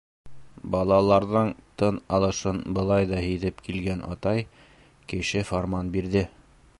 Балаларҙың тын алышын былай ҙа һиҙеп килгән атай кеше фарман бирҙе: